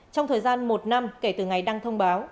trong thời gian một năm kể từ ngày đăng thông báo